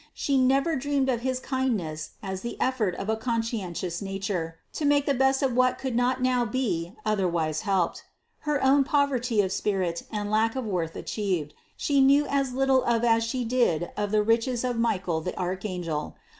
She never dreamed of his kindness as the effort of a conscientious nature to make the best of what could not now be otherwise helped. Her own poverty of spirit and lack of worth achieved, she knew as little of as she did of the riches of Michael the archangel.